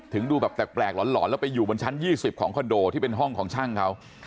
ดูแบบแปลกหลอนแล้วไปอยู่บนชั้น๒๐ของคอนโดที่เป็นห้องของช่างเขา